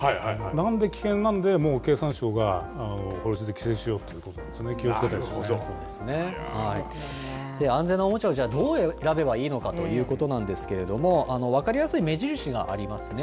なので、危険なんで、もう経産省が法律で規制しようということな安全なおもちゃを、じゃあ、どう選べばいいのかということなんですけれども、分かりやすい目印がありますね。